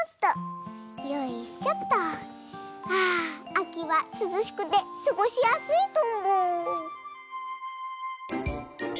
あきはすずしくてすごしやすいとんぼ。